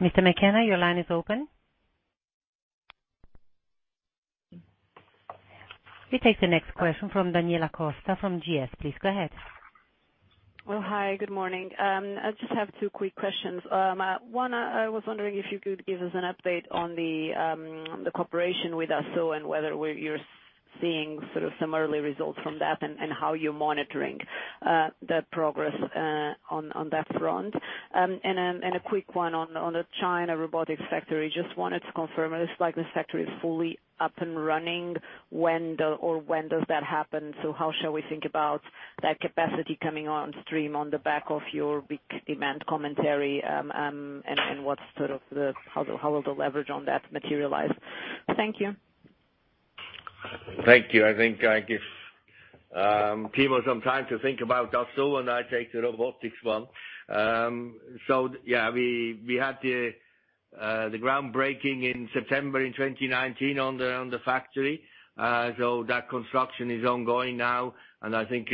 Mr. McKenna, your line is open. We take the next question from Daniela Costa from GS. Please, go ahead. Well, hi. Good morning. I just have two quick questions. One, I was wondering if you could give us an update on the cooperation with Dassault and whether you're seeing sort of some early results from that, and how you're monitoring the progress on that front. A quick one on the China robotics factory. Just wanted to confirm, it looks like this factory is fully up and running. When does that happen? How shall we think about that capacity coming on stream on the back of your weak demand commentary, and how will the leverage on that materialize? Thank you. Thank you. I think I give Timo some time to think about Dassault and I take the robotics one. Yeah, we had the groundbreaking in September in 2019 on the factory. That construction is ongoing now, and I think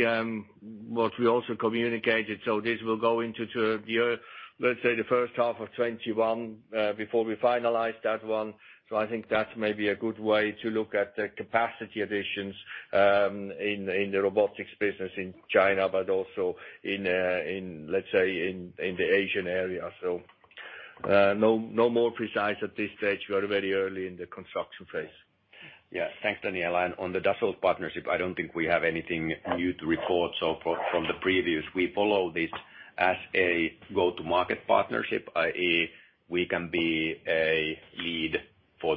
what we also communicated, this will go into the year, let's say the first half of 2021, before we finalize that one. I think that may be a good way to look at the capacity additions, in the robotics business in China, but also let's say, in the Asian area. No more precise at this stage. We are very early in the construction phase. Yeah. Thanks, Daniela. On the Dassault partnership, I don't think we have anything new to report. From the previous, we follow this as a go-to-market partnership, i.e., we can be a lead for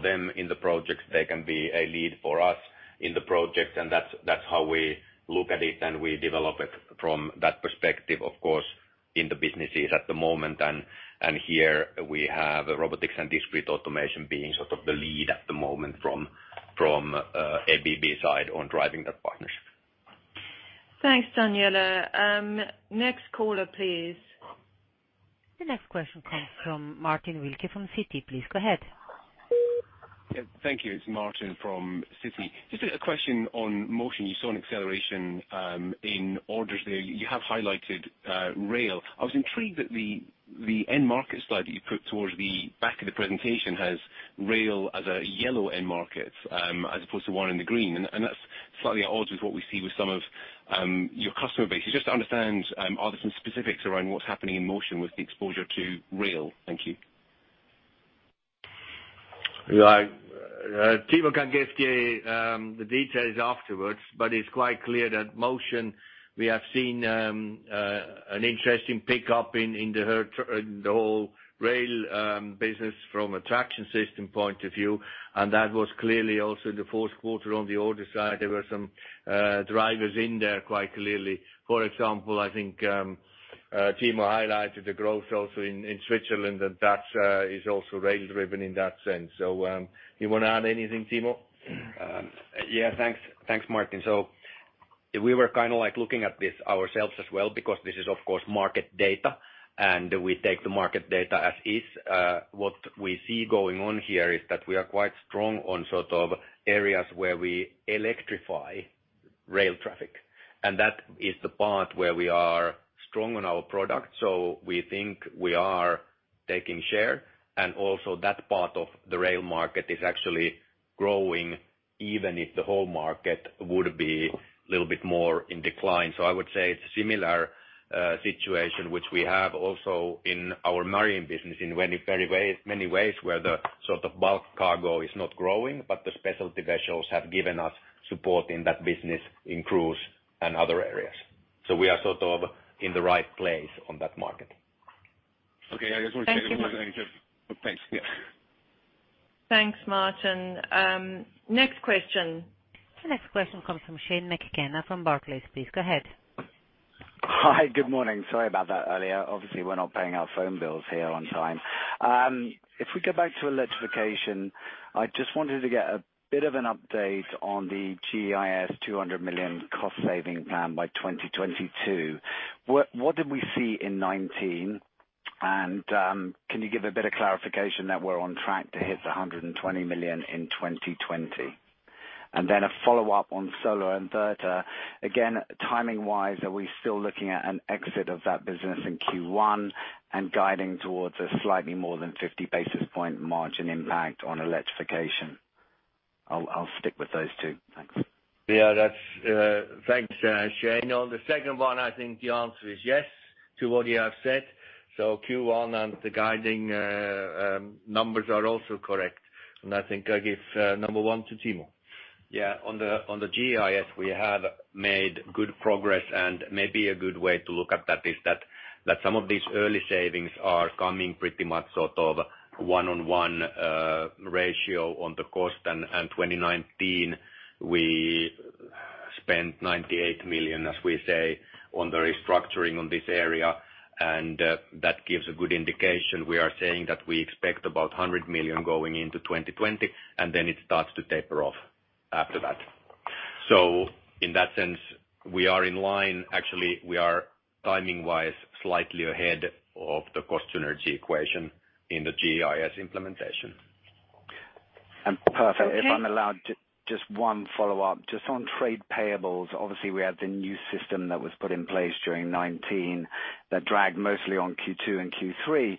them in the projects, they can be a lead for us in the projects, and that's how we look at it and we develop it from that perspective, of course, in the businesses at the moment. Here we have Robotics & Discrete Automation being sort of the lead at the moment from ABB side on driving that partnership. Thanks, Daniela. Next caller, please. The next question comes from Martin Wilkie from Citi. Please go ahead. Yeah. Thank you. It's Martin from Citi. Just a question on motion. You saw an acceleration in orders there. You have highlighted rail. I was intrigued that the end market slide that you put towards the back of the presentation has rail as a yellow end market, as opposed to one in the green. That's slightly at odds with what we see with some of your customer base. Just to understand, are there some specifics around what's happening in motion with the exposure to rail? Thank you. Timo can give the details afterwards, it's quite clear that motion, we have seen an interesting pickup in the whole rail business from a traction system point of view, that was clearly also the fourth quarter on the order side. There were some drivers in there quite clearly. For example, I think Timo highlighted the growth also in Switzerland, that is also rail-driven in that sense. You want to add anything, Timo? Thanks, Martin. We were kind of looking at this ourselves as well because this is, of course, market data, and we take the market data as is. What we see going on here is that we are quite strong on sort of areas where we electrify rail traffic. That is the part where we are strong on our product. We think we are taking share, and also that part of the rail market is actually growing, even if the whole market would be a little bit more in decline. I would say it's a similar situation which we have also in our marine business in many ways, where the sort of bulk cargo is not growing, but the specialty vessels have given us support in that business in cruise and other areas. We are sort of in the right place on that market. Okay. Thanks. Yeah. Thanks, Martin. Next question. The next question comes from Shane McKenna from Barclays. Please go ahead. Hi. Good morning. Sorry about that earlier. Obviously, we're not paying our phone bills here on time. If we go back to electrification, I just wanted to get a bit of an update on the GEIS $200 million cost saving plan by 2022. What did we see in 2019? Can you give a bit of clarification that we're on track to hit the $120 million in 2020? Then a follow-up on solar inverter. Again, timing-wise, are we still looking at an exit of that business in Q1 and guiding towards a slightly more than 50 basis point margin impact on electrification? I'll stick with those two. Thanks. Thanks, Shane. On the second one, I think the answer is yes to what you have said. Q1 and the guiding numbers are also correct. I think I give number one to Timo. Yeah. On the GEIS, we have made good progress, and maybe a good way to look at that is that some of these early savings are coming pretty much sort of one-on-one ratio on the cost. 2019, we spent $98 million, as we say, on the restructuring on this area, and that gives a good indication. We are saying that we expect about $100 million going into 2020, and then it starts to taper off after that. In that sense, we are in line. Actually, we are timing-wise, slightly ahead of the cost synergy equation in the GEIS implementation. Perfect. If I'm allowed just one follow-up, just on trade payables. Obviously, we had the new system that was put in place during 2019 that dragged mostly on Q2 and Q3.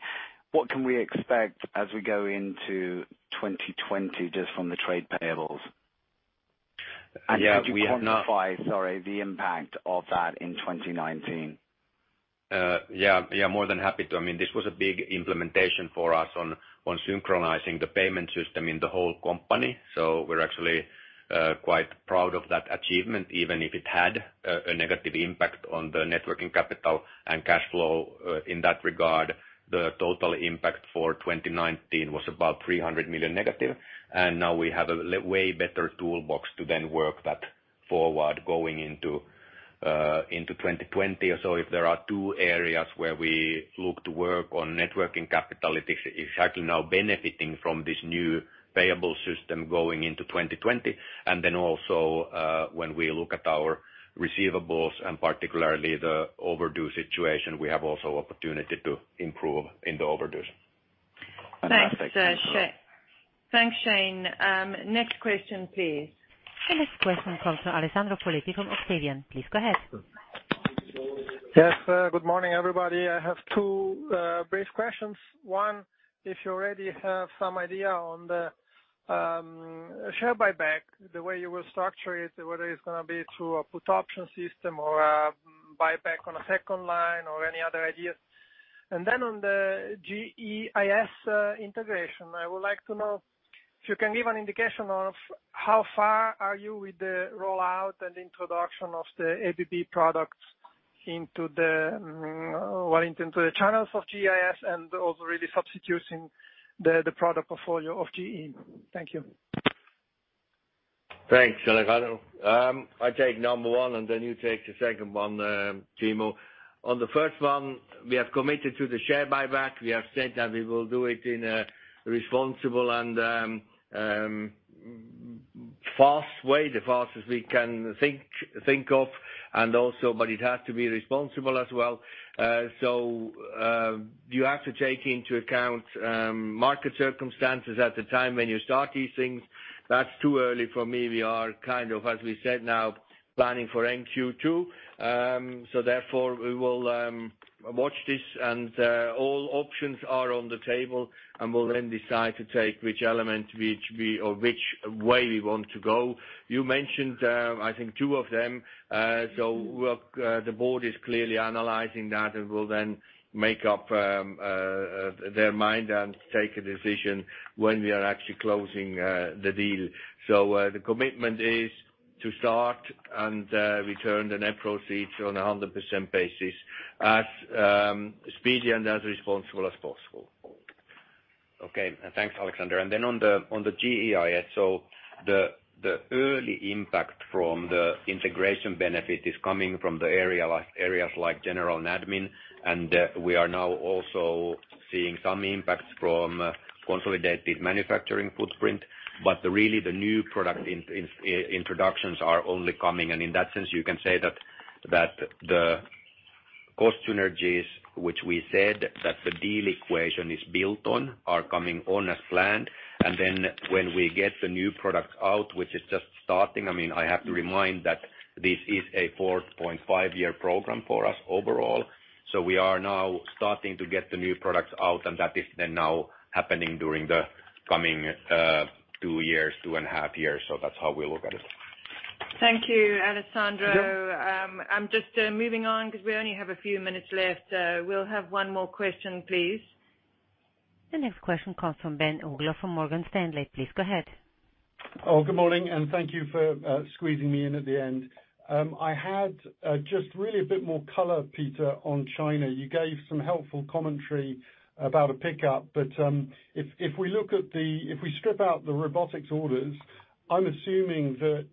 What can we expect as we go into 2020 just from the trade payables? Yeah, we have. Could you quantify, sorry, the impact of that in 2019? Yeah. More than happy to. This was a big implementation for us on synchronizing the payment system in the whole company. We're actually quite proud of that achievement, even if it had a negative impact on the net working capital and cash flow, in that regard, the total impact for 2019 was about $300 million negative. Now we have a way better toolbox to then work that forward going into 2020. If there are two areas where we look to work on net working capital, it's actually now benefiting from this new payable system going into 2020. Then also, when we look at our receivables and particularly the overdue situation, we have also opportunity to improve in the overdues. Fantastic. Thanks, Shane. Next question, please. The next question comes from Alessandro Foletti from Octavian. Please go ahead. Yes. Good morning, everybody. I have two brief questions. One, if you already have some idea on the share buyback, the way you will structure it, whether it's going to be through a put option system or a buyback on a second line or any other ideas. Then on the GEIS integration, I would like to know if you can give an indication of how far are you with the rollout and introduction of the ABB products into the channels of GEIS and also really substituting the product portfolio of GE. Thank you. Thanks, Alessandro. I take number one, and then you take the second one, Timo. On the first one, we have committed to the share buyback. We have said that we will do it in a responsible and fast way, the fastest we can think of, but it has to be responsible as well. You have to take into account market circumstances at the time when you start these things. That's too early for me. We are, as we said now, planning for NQ2. Therefore, we will watch this and all options are on the table, and we'll then decide to take which element or which way we want to go. You mentioned, I think two of them. The board is clearly analyzing that and will then make up their mind and take a decision when we are actually closing the deal. The commitment is to start and return the net proceeds on 100% basis as speedy and as responsible as possible. Okay. Thanks, Alessandro. Then on the GEIS. The early impact from the integration benefit is coming from the areas like general and admin. We are now also seeing some impacts from consolidated manufacturing footprint. Really the new product introductions are only coming, and in that sense, you can say that the cost synergies, which we said that the deal equation is built on, are coming on as planned. Then when we get the new product out, which is just starting, I have to remind that this is a 4.5-year program for us overall. We are now starting to get the new products out, and that is then now happening during the coming two years, two and a half years. That's how we look at it. Thank you, Alessandro. I'm just moving on because we only have a few minutes left. We'll have one more question, please. The next question comes from Ben Uglow from Morgan Stanley. Please go ahead. Good morning, thank you for squeezing me in at the end. I had just really a bit more color, Peter, on China. You gave some helpful commentary about a pickup, if we strip out the robotics orders, I am assuming that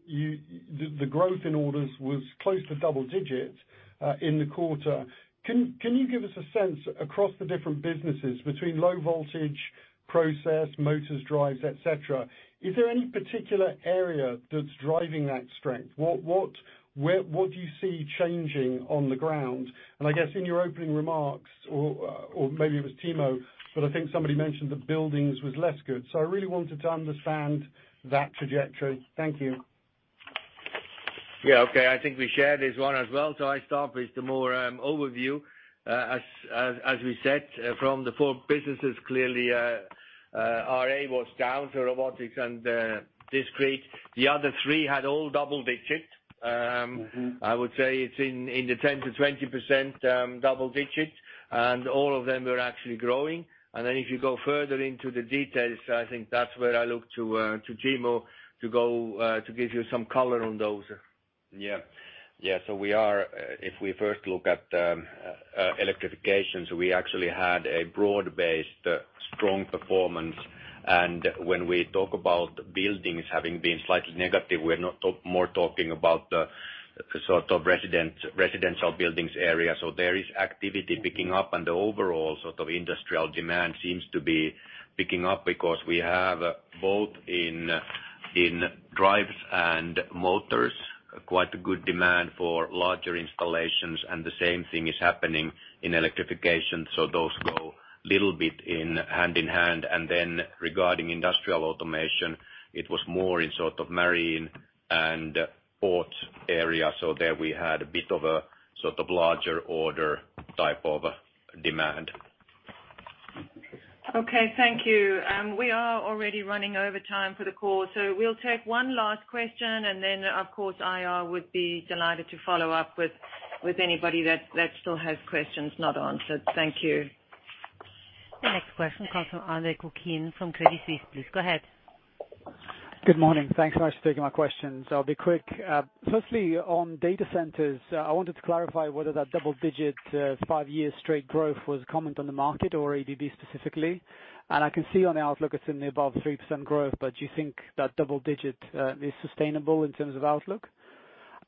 the growth in orders was close to double digits in the quarter. Can you give us a sense across the different businesses between low voltage, process, motors, drives, et cetera? Is there any particular area that is driving that strength? What do you see changing on the ground? I guess in your opening remarks, or maybe it was Timo, I think somebody mentioned that buildings was less good. I really wanted to understand that trajectory. Thank you. Yeah. Okay. I think we share this one as well. I start with the more overview. As we said, from the four businesses, clearly, RA was down, so robotics and discrete. The other three had all double digits. I would say it's in the 10%-20% double digits, and all of them were actually growing. If you go further into the details, I think that's where I look to Timo to give you some color on those. If we first look at electrification, we actually had a broad-based strong performance. When we talk about buildings having been slightly negative, we're more talking about the sort of residential buildings area. There is activity picking up and the overall sort of industrial demand seems to be picking up because we have both in drives and motors, quite a good demand for larger installations, and the same thing is happening in electrification. Those go a little bit hand in hand. Regarding industrial automation, it was more in marine and port area. There we had a bit of a larger order type of demand. Okay, thank you. We are already running over time for the call. We'll take one last question. Then, of course, IR would be delighted to follow up with anybody that still has questions not answered. Thank you. The next question comes from Andre Kukhnin from Credit Suisse. Please go ahead. Good morning. Thanks so much for taking my questions. I'll be quick. Firstly, on data centers, I wanted to clarify whether that double-digit five-year straight growth was a comment on the market or ABB specifically? I can see on the outlook it's in the above 3% growth, but do you think that double digit is sustainable in terms of outlook?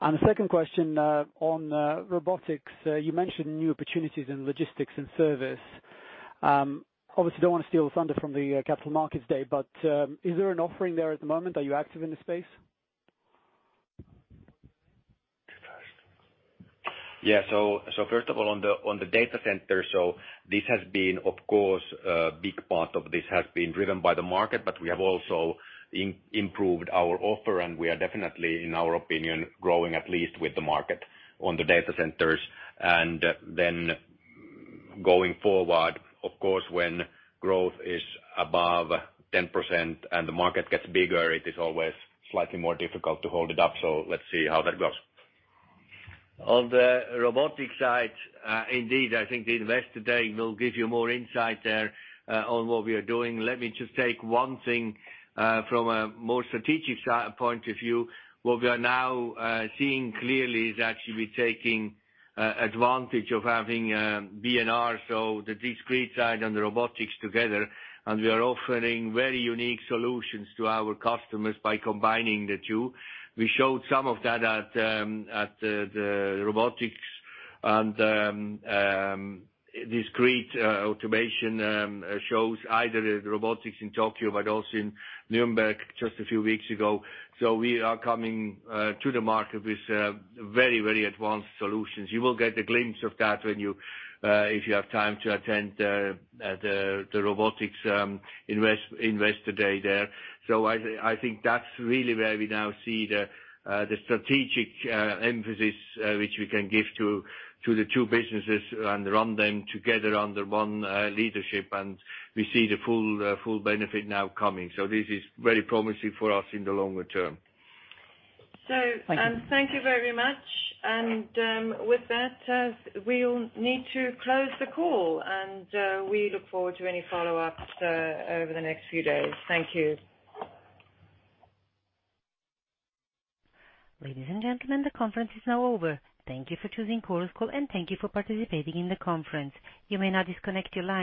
The second question on robotics. You mentioned new opportunities in logistics and service. Obviously, don't want to steal the thunder from the Capital Markets Day, but is there an offering there at the moment? Are you active in the space? Yeah. First of all, on the data center. Of course, a big part of this has been driven by the market, but we have also improved our offer, and we are definitely, in our opinion, growing at least with the market on the data centers. Going forward, of course, when growth is above 10% and the market gets bigger, it is always slightly more difficult to hold it up. Let's see how that goes. On the robotics side, indeed, I think the Investor Day will give you more insight there on what we are doing. Let me just take one thing from a more strategic point of view. What we are now seeing clearly is actually we're taking advantage of having B&R, so the discrete side and the robotics together. We are offering very unique solutions to our customers by combining the two. We showed some of that at the Robotics & Discrete Automation shows, either at robotics in Tokyo, also in Nuremberg just a few weeks ago. We are coming to the market with very advanced solutions. You will get a glimpse of that if you have time to attend the Robotics Investor Day there. I think that's really where we now see the strategic emphasis which we can give to the two businesses and run them together under one leadership. We see the full benefit now coming. This is very promising for us in the longer term. Thank you. Thank you very much. With that, we'll need to close the call. We look forward to any follow-ups over the next few days. Thank you. Ladies and gentlemen, the conference is now over. Thank you for choosing Chorus Call, and thank you for participating in the conference. You may now disconnect your line.